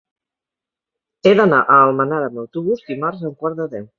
He d'anar a Almenara amb autobús dimarts a un quart de deu.